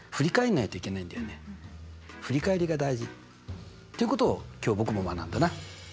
振り返りが大事っていうことを今日僕も学んだな。